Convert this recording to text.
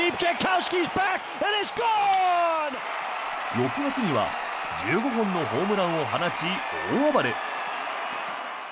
６月には１５本のホームランを放ち大暴れ。